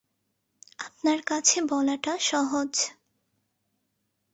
আপনার কাছে বলাটা সহজ।